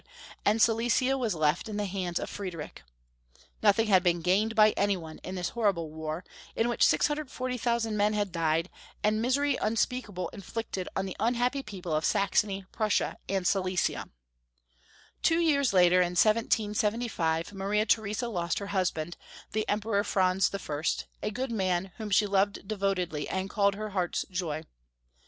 and Silesia was left in the hands of Friedrich. Nothing had been gained by anyone in this horrible war, in which 640,000 men had died, and misery Franz 1. 411 unspeakable inflicted on the unhappy people of Saxony, Prussia, and Silesia. Two years later, in 1775, Maria Theresa lost her husband, the Emperor Franz I., a good man, whom she loved devotedly, and called her heart's joy.